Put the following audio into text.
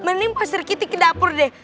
mending pak sikiti ke dapur deh